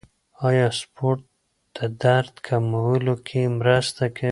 آیا سپورت د درد کمولو کې مرسته کوي؟